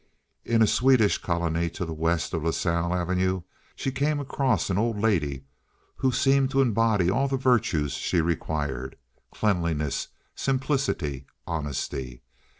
In a Swedish colony to the west of La Salle Avenue she came across an old lady who seemed to embody all the virtues she required—cleanliness, simplicity, honesty.